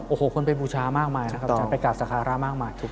โอ้โหควรเป็นบูชามากมายประกาศสาขารามากมาย